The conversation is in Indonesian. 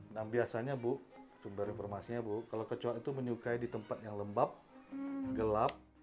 nah biasanya bu sumber informasinya bu kalau kecok itu menyukai di tempat yang lembab gelap